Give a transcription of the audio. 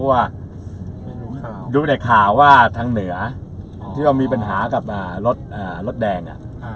ถ้าไหนข่าวว่าทางเหนือที่มันมีปัญหากับรถแดง